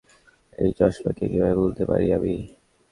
এই চসমা কে কিভাবে ভুলতে পারি আমি?